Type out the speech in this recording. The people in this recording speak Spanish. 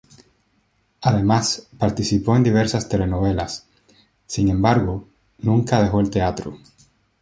Además, participó en diversas telenovelas; sin embargo, nunca dejó el teatro.